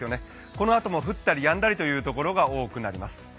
このあとも降ったりやんだりというところが多くなります。